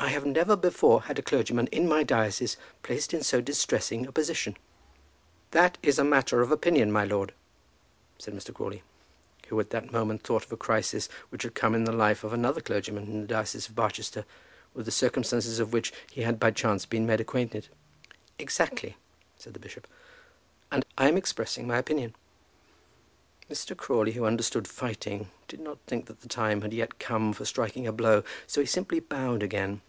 "I have never before had a clergyman in my diocese placed in so distressing a position." "That is a matter of opinion, my lord," said Mr. Crawley, who at that moment thought of a crisis which had come in the life of another clergyman in the diocese of Barchester, with the circumstances of which he had by chance been made acquainted. "Exactly," said the bishop. "And I am expressing my opinion." Mr. Crawley, who understood fighting, did not think that the time had yet come for striking a blow, so he simply bowed again.